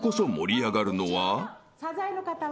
サザエの方は。